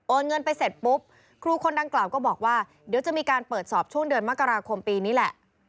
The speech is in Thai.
เงินไปเสร็จปุ๊บครูคนดังกล่าวก็บอกว่าเดี๋ยวจะมีการเปิดสอบช่วงเดือนมกราคมปีนี้แหละ